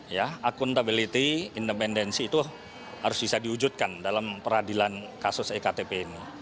ya akuntabiliti independensi itu harus bisa diwujudkan dalam peradilan kasus ektp ini